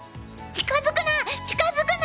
近づくな！